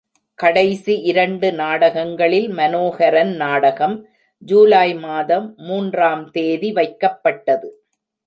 கடைசி இரண்டு நாடகங்களில் மனோஹரன் நாடகம் ஜூலை மாதம் மூன்றாம் தேதி வைக்கப்பட்டது.